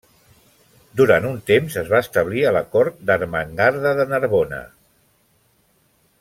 Durant un temps es va establir a la cort d'Ermengarda de Narbona.